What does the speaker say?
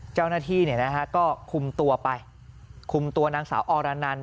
เจ้าหน้าที่เนี่ยนะฮะก็คุมตัวไปคุมตัวนางสาวอรานันต์